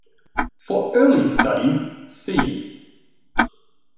For early studies see.